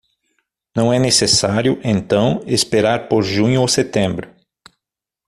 Não é necessário, então, esperar por junho ou setembro.